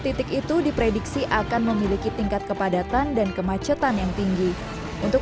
titik itu diprediksi akan memiliki tingkat kepadatan dan kemacetan yang tinggi untuk